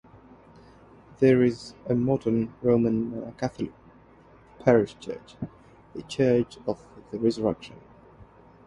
There is a modern Roman Catholic parish church, the "Church of the Resurrection".